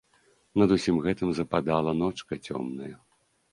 Над усім гэтым западала ночка цёмная.